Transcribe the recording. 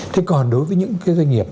thế còn đối với những cái doanh nghiệp